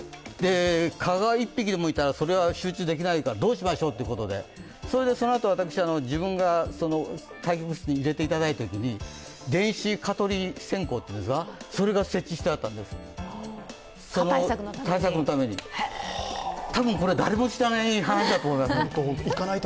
蚊が１匹でもいたらそれは集中できないからどうしましょうということでその後、私、自分が対局室に入れていただいたときに電子蚊とり線香が設置してあったんです、その対策のために、多分、これ誰も知らない話だと思います。